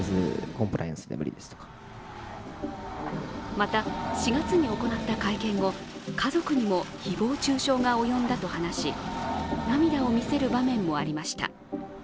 また、４月に行った会見後家族にも誹謗中傷が及んだと話し、涙を見せる場面もありました。